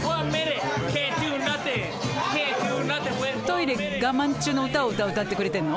トイレ我慢中の歌を歌歌ってくれてんの？